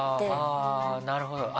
あぁなるほど。